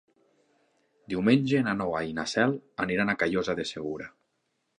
Diumenge na Noa i na Cel aniran a Callosa de Segura.